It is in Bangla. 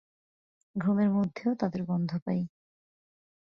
ঘুমের মধ্যেও তাদের গন্ধ পাই।